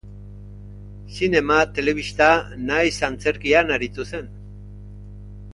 Zinema, telebista nahiz antzerkian aritu zen.